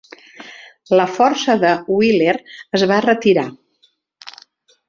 La força de Wheeler es va retirar.